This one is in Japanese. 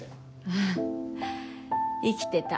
あっ生きてた。